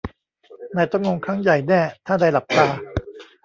นายต้องงงครั้งใหญ่แน่ถ้านายหลับตา